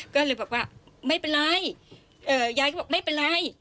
ก็เลยบอกว่าไม่เป็นไรยายก็บอกไม่เป็นไร